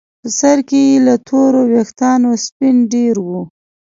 په سر کې یې له تورو ویښتانو سپین ډیر وو.